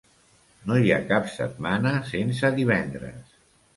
No hi ha cap setmana sense divendres.